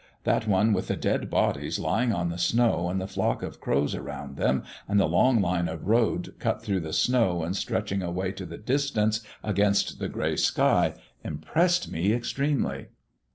That one with the dead bodies lying on the snow and the flock of crows around them and the long line of road cut through the snow and stretching away to the distance against the gray sky impressed me extremely."